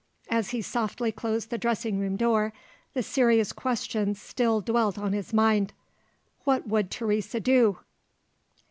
As he softly closed the dressing room door, the serious question still dwelt on his mind: What would Teresa do?